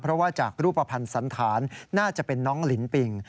เพราะว่าจากรูปภัณฑ์สันธารน่าจะเป็นน้องลินปิง